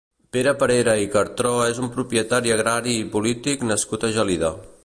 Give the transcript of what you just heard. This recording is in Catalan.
Pere Parera i Cartró és un propietari agrari i polític nascut a Gelida.